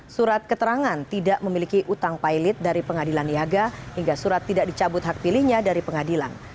surat keterangan tidak memiliki utang pilot dari pengadilan niaga hingga surat tidak dicabut hak pilihnya dari pengadilan